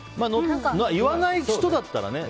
言わない人だったら。